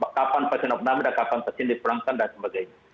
kapan pasien opnami dan kapan pasien diperangkan dan sebagainya